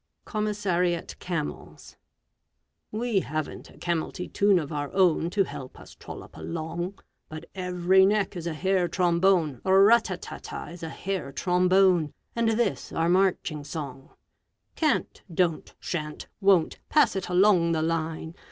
COMMISSARIAT CAMELS We haven't a camelty tune of our own To help us trollop along, But every neck is a hair trombone (Rtt ta ta ta! is a hair trombone!) And this our marching song: Can't! Don't! Shan't! Won't! Pass it along the line!